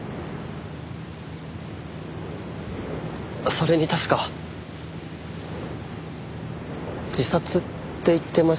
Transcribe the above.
それに確か自殺って言ってましたよね？